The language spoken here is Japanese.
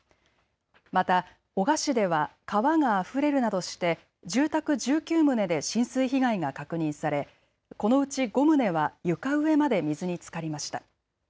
また男鹿市では川があふれるなどして住宅１９棟で浸水被害が確認され、このうち５棟は床上まで水につかりました。